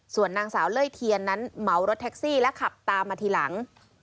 ส่วนนางสาวเล่เทียนนั้นเหมารถแท็กซี่และขับตามมาทีหลัง